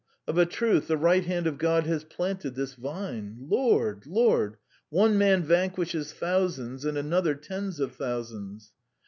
Of a truth, the right hand of God has planted this vine! Lord! Lord! One man vanquishes thousands and another tens of thousands.